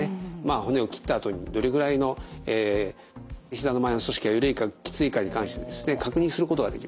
骨を切ったあとにどれぐらいのひざの前の組織が緩いかきついかに関してですね確認することができます。